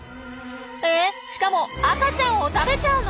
えっしかも赤ちゃんを食べちゃうの！？